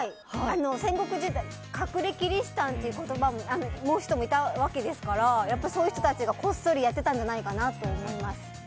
戦国時代、隠れキリシタンという人もいたわけですからそういう人たちがこっそりやってたんじゃないかなと思います。